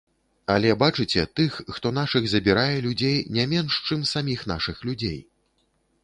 Але бачыце, тых, хто нашых забірае людзей, не менш, чым саміх нашых людзей.